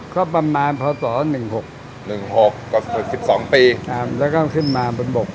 ก็ประมาณพอต่อหนึ่งหกหนึ่งหกก็สิบสองปีอ่าแล้วก็ขึ้นมาบนบก